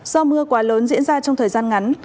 do mưa quá lớn diễn ra trong thời gian ngắn